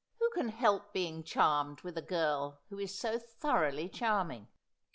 ' Who can help being charmed with a girl who is so thoroughly charming